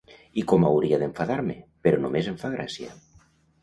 I com hauria d'enfadar-me, però només em fa gràcia.